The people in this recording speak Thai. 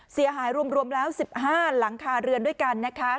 เสียหายรวมแล้ว๑๕หลังคาเรือนด้วยกันนะคะ